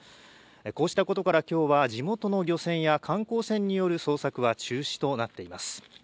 こうしたことから、きょうは地元の漁船や観光船による捜索は中止となっています。